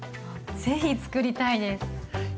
ぜひつくりたいです！